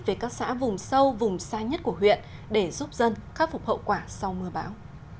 về các xã vùng sâu vùng xa nhất của huyện để giúp dân khắc phục hậu quả sau mưa bão